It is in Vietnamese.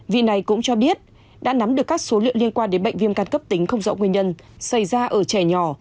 vì này cũng cho biết đã nắm được các số liệu liên quan đến bệnh viêm căn cấp tính không rõ nguyên nhân xảy ra ở trẻ nhỏ